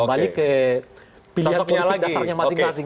kembali ke pilihan politik dasarnya masing masing